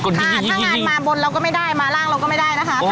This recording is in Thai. ถ้างานมาบนเราก็ไม่ได้มาร่างเราก็ไม่ได้นะคะ